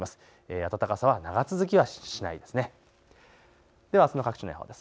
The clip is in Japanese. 暖かさは長続きはしないです。